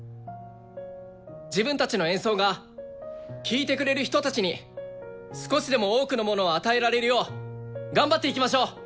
自分たちの演奏が聴いてくれる人たちに少しでも多くのものを与えられるよう頑張っていきましょう。